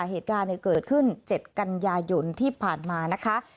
เหตุการณ์เกิดขึ้น๗กันยายนที่ผ่านมานะคะ